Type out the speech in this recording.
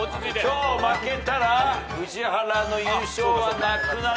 今日負けたら宇治原の優勝はなくなる上半期の。